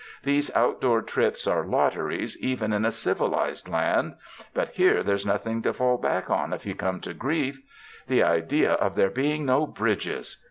These outdoor trips are lotteries even in a civilized land, but here there's nothing to fall back on if you come to grief. The idea of there being no bridges